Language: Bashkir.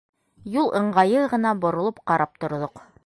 Юл ыңғайы ғына боролоп ҡарап торҙоҡ.